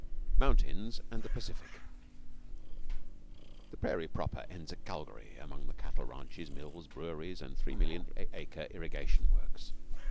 MOUNTAINS AND THE PACIFIC The Prairie proper ends at Calgary, among the cattle ranches, mills, breweries, and three million acre irrigation works.